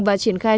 và triển khai